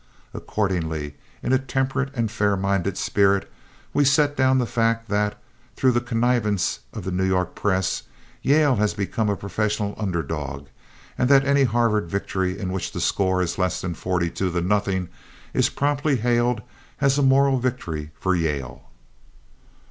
Accordingly, in a temperate and fairminded spirit, we set down the fact that, through the connivance of the New York press, Yale has become a professional underdog and that any Harvard victory in which the score is less than forty two to nothing is promptly hailed as a moral victory for Yale.